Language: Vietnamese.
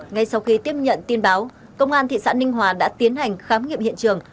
ngay sau khi tiếp nhận tin báo công an thị xã ninh hòa đã tiến hành khám nghiệm hiện trường